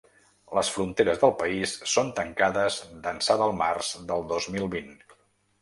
Les fronteres del país són tancades d’ençà del març del dos mil vint.